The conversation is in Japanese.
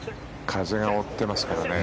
風が追ってますからね。